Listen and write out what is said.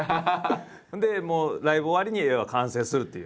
でもうライブ終わりに絵は完成するっていう。